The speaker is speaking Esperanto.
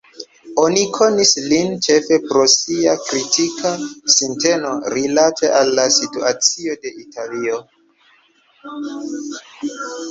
Oni konis lin ĉefe pro sia kritika sinteno rilate al la situacio de Italio.